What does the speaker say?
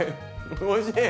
おいしい！